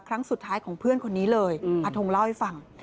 ครั้งสุดท้ายของเพื่อนคนนี้เลยอาทงเล่าให้ฟัง